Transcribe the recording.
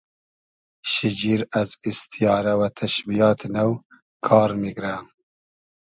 شیجیر از ایستیارۂ و تئشبیات نۆ کار میگرۂ